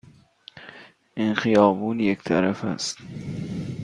این خیابان یک طرفه است.